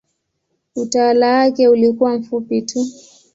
Utawala wake ulikuwa mfupi tu.